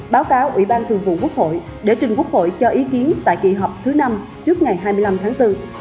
báo cáo ủy ban thường vụ quốc hội để trình quốc hội cho ý kiến tại kỳ họp thứ năm trước ngày hai mươi năm tháng bốn